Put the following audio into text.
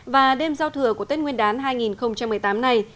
và đêm giao thừa của tết nguyên đán hai nghìn một mươi tám này